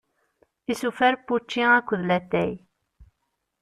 Isufar n wučči akked latay.